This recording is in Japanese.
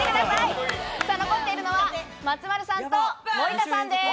残っているのは松丸さんと森田さんです。